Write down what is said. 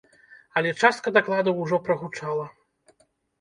Але частка дакладаў ужо прагучала.